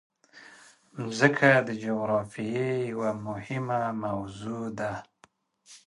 مځکه د جغرافیې یوه مهمه موضوع ده.